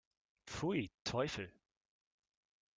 Pfui, Teufel!